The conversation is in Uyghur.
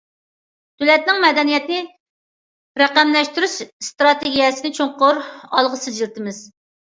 دۆلەتنىڭ مەدەنىيەتنى رەقەملەشتۈرۈش ئىستراتېگىيەسىنى چوڭقۇر ئالغا سىلجىتىمىز.